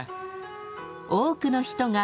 ［多くの人が］